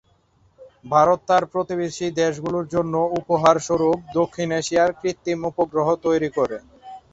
ভারত তার প্রতিবেশী দেশগুলোর জন্য "উপহার" স্বরূপ দক্ষিণ এশিয়া কৃত্রিম উপগ্রহ তৈরি করে।